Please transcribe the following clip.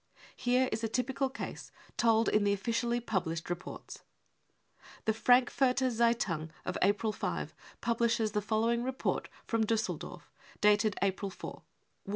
55 Here is a typical case, told in the officially published reports : f' 1 The Frankfurter geitung of April 5 publishes the fol lowing report from Diisseldorf, dated April 4 (WTB.)